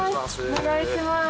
お願いします！